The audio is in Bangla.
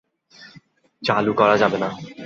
চালু করা যাবে না।